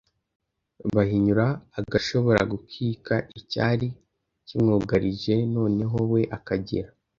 bahinyura agashobora gukika icyari kimwugarije noneho we akagira